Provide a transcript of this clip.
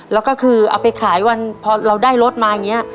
แล้วก็คือเอาไปขายวันพอเราได้รถมาอย่างนี้